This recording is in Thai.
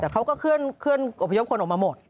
แต่เขาก็เคลื่อนอบพยพคนออกมาหมด